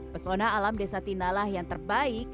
pesona alam desa tinalah yang terbaik